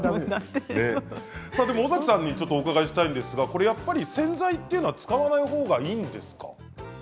尾崎さんに伺いたいんですが洗剤というのは使わないほうがいいんですか？